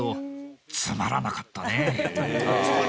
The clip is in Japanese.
つまらなかった。